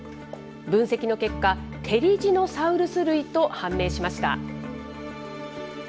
分析の結果、テリジノサウルス類と判明しました。